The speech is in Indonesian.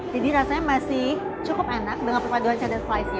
jadi rasanya masih cukup enak dengan perpaduan cheddar slice nya